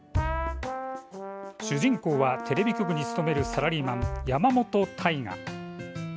主人公はテレビ局に勤めるサラリーマン、山本大河。